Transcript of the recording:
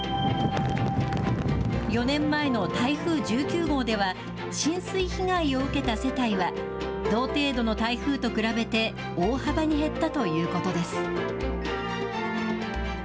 ４年前の台風１９号では、浸水被害を受けた世帯は、同程度の台風と比べて大幅に減ったということです。